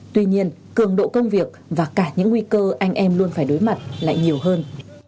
tuy nhiên cường độ công việc và cả những nguy cơ anh em luôn phải đối mặt lại nhiều hơn